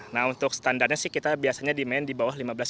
nah untuk standarnya sih kita biasanya di main di bawah lima belas km per jam